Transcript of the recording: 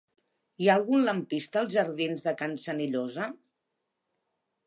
Hi ha algun lampista als jardins de Can Senillosa?